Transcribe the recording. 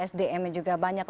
sdm juga banyak